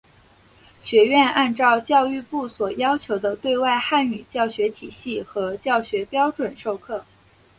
学院按照教育部所要求的对外汉语教学体系和教学标准授课。